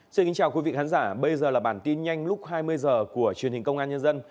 xin kính chào quý vị khán giả bây giờ là bản tin nhanh lúc hai mươi h của truyền hình công an nhân dân